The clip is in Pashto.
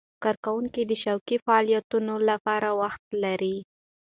کارکوونکي د شوقي فعالیتونو لپاره وخت لري.